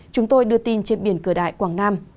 chúng tôi đưa tin trên biển cửa đại quảng nam